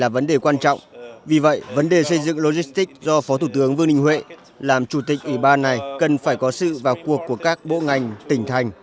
vấn đề quan trọng vì vậy vấn đề xây dựng logistics do phó thủ tướng vương đình huệ làm chủ tịch ủy ban này cần phải có sự vào cuộc của các bộ ngành tỉnh thành